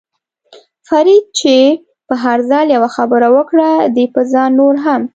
فرید چې به هر ځل یوه خبره وکړه، دې به ځان نور هم.